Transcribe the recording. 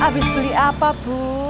habis beli apa bu